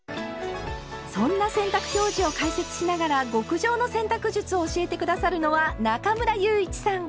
そんな洗濯表示を解説しながら極上の洗濯術を教えて下さるのは中村祐一さん。